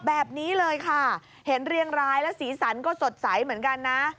แบบนี้เลยค่ะเห็นเรียงรายแล้วสีสันก็สดใสเหมือนกันนะ